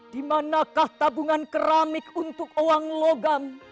dimanakah tabungan keramik untuk uang logam